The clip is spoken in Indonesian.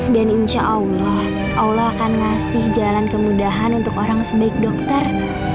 dan insya allah allah akan ngasih jalan kemudahan untuk orang sebaik dokter